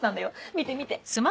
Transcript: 見て見て！